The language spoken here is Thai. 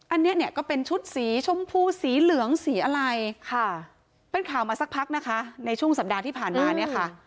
อันนี้ก็เป็นชุดสีชมพูสีเหลืองสีอะไรเป็นข่าวมาสักพักในช่วงสัปดาห์ที่ผ่านมา